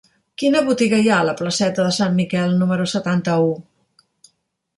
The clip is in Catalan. Quina botiga hi ha a la placeta de Sant Miquel número setanta-u?